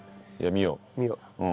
見よう。